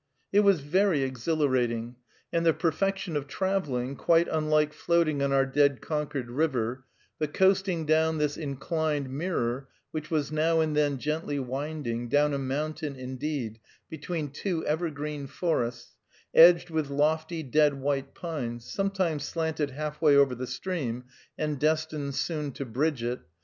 It was very exhilarating, and the perfection of traveling, quite unlike floating on our dead Concord River, the coasting down this inclined mirror, which was now and then gently winding, down a mountain, indeed, between two evergreen forests, edged with lofty dead white pines, sometimes slanted half way over the stream, and destined soon to bridge it.